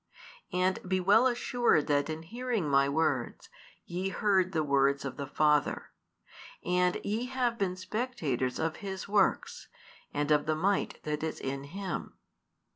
And be well assured that in hearing My words, ye heard the words of the Father; and ye have been spectators of His works, and of the might that is in Him.